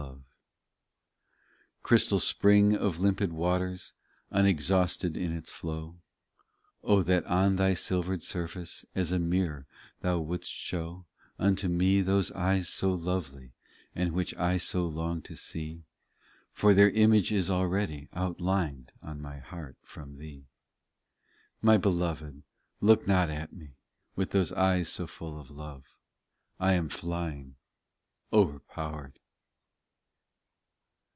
POEMS 257 12 Crystal spring of limpid waters Unexhausted in its flow ; that on thy silvered surface, As a mirror, Thou would st show Unto me those eyes so lovely, And which I so long to see, For their image is already Outlined on my heart from Thee. 13 My Beloved, look not at me With those eyes so full of love ; 1 am flying, overpowered.